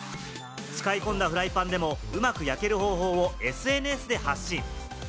使い込んだフライパンでも、うまく焼ける方法をＳＮＳで発信。